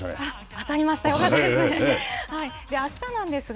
当たりました、よかったですね。